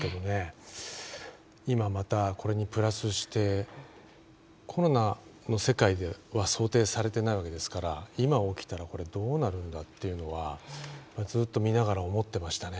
今またこれにプラスしてコロナの世界では想定されてないわけですから今起きたらこれどうなるんだっていうのはずっと見ながら思ってましたね。